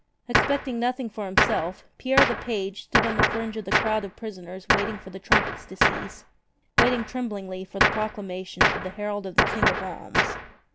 Expecting nothing for himself, Pierre the page stood on the fringe of the crowd of prisoners waiting for the trumpets to cease, waiting tremblingly for the proclamation of the herald of the King of Alms.